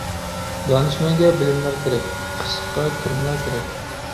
دانىشمەنگە بىلىملا كېرەك، پىخسىققا كىرىملا كېرەك.